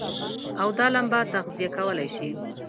او دا لمبه تغذيه کولای شي.